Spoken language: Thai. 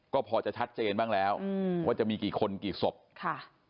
ก็พอจะชัดเจนบ้างแล้วอืมว่าจะมีกี่คนกี่ศพค่ะ